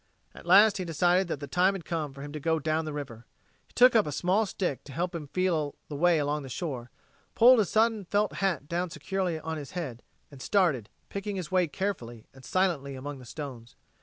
At last he decided that the time had come for him to go down the river. He took up a small stick to help him feel the way along the shore, pulled his sodden felt hat down securely on his head, and started, picking his way carefully and silently among the stones.